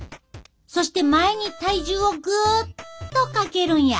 そして前に体重をぐっとかけるんや。